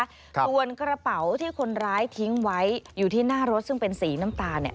ส่วนกระเป๋าที่คนร้ายทิ้งไว้อยู่ที่หน้ารถซึ่งเป็นสีน้ำตาลเนี่ย